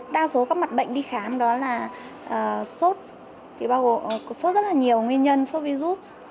đa số các mặt bệnh đi khám đó là sốt sốt rất là nhiều nguyên nhân sốt virus